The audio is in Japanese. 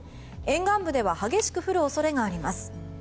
沿岸部では激しく降る恐れがあります。